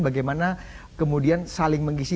bagaimana kemudian saling mengisi